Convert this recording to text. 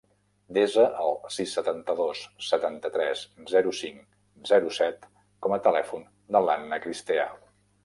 Desa el sis, setanta-dos, setanta-tres, zero, cinc, zero, set com a telèfon de l'Anna Cristea.